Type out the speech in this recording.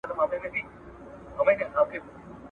نه مو نسیم ته نڅېدلی ارغوان ولیدی ,